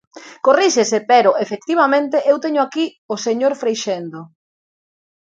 Corríxese, pero, efectivamente, eu teño aquí o señor Freixendo.